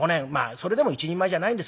それでも一人前じゃないんですけど。